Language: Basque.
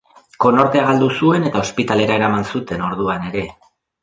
Konortea galdu zuen eta ospitalera eraman zuten orduan ere.